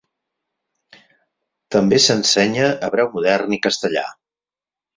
També s'ensenya hebreu modern i castellà.